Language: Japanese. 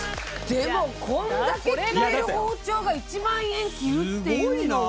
でもこんだけ切れる包丁が１万円切るっていうのは。